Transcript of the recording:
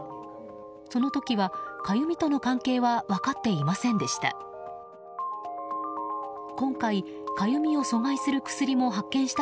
その時は、かゆみとの関係は分かっていませんでした。